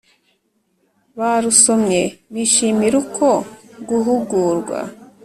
Barusomye bishimira uko guhugurwa